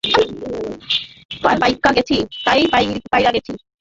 পাইক্কা গেসি, তাই পইরা গেসি।